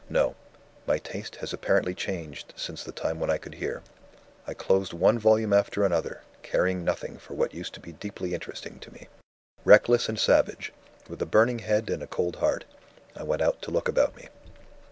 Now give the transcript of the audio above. No: my taste has apparently changed since the time when I could hear. I closed one volume after another; caring nothing for what used to be deeply interesting to me. "Reckless and savage with a burning head and a cold heart I went out to look about me.